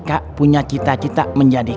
kak punya cita cita menjadi